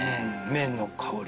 麺の香り。